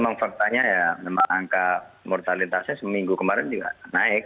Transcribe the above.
sebenarnya ya angka mortalitasnya seminggu kemarin juga naik